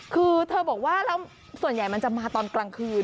คือเธอบอกว่าแล้วส่วนใหญ่มันจะมาตอนกลางคืน